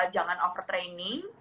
jangan over training